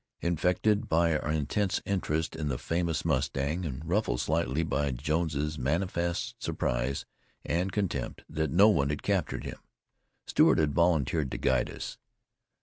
Inflected by our intense interest in the famous mustang, and ruffled slightly by Jones's manifest surprise and contempt that no one had captured him, Stewart had volunteered to guide us.